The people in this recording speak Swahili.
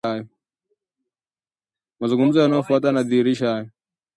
Mazungumzo yanayofuata yanadhihirisha hayo